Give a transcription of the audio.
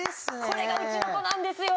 これがうちの子なんですよ。